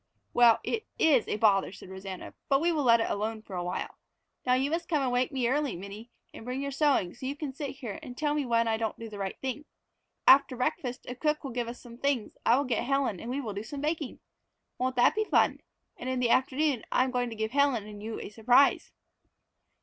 "Well, it is a bother," said Rosanna, "but we will let it alone for awhile. Now you must come and wake me early, Minnie, and bring your sewing so you can sit here and tell me when I don't do the right thing. After breakfast, if cook will give us some things, I will get Helen and we will do some baking. Won't that be fun? And in the afternoon I am going to give Helen and you a surprise."